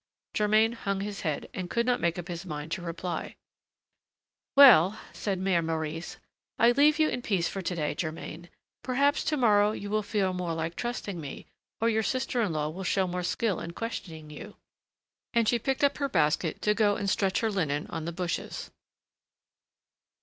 Germain hung his head, and could not make up his mind to reply. "Well," said Mère Maurice, "I leave you in peace for to day, Germain; perhaps to morrow you will feel more like trusting me, or your sister in law will show more skill in questioning you." And she picked up her basket to go and stretch her linen on the bushes.